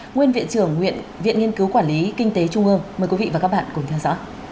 nguyên viện trưởng nguyện viện nghiên cứu quản lý kinh tế trung ương